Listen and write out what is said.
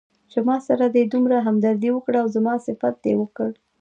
چې ماسره دې دومره همدردي وکړه او زما صفت دې وکړ.